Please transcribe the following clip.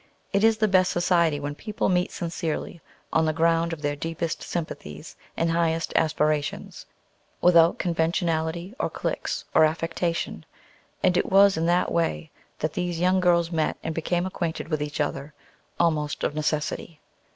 It is the best society when people meet sincerely, on the ground of their deepest sympathies and highest aspirations, without conventionality or cliques or affectation; and it was in that way that these young girls met and became acquainted with each other, almost of necessity.